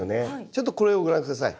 ちょっとこれをご覧下さい。